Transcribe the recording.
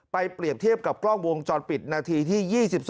เปรียบเทียบกับกล้องวงจรปิดนาทีที่๒๒